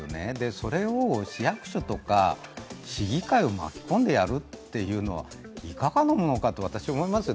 それを市役所とか市議会を巻き込んでやるっていうのはいかがなものかと私、思いますよ。